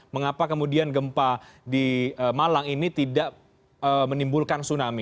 mengapa kemudian gempa di malang ini tidak menimbulkan tsunami